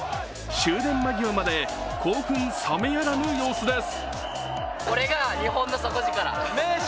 終電間際まで、興奮冷めやらぬ様子です。